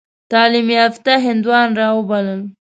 تعلیم یافته هندیان را وبلل.